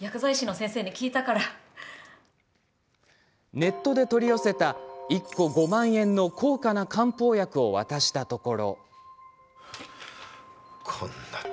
ネットで取り寄せた１個５万円の高価な漢方薬を渡したところ。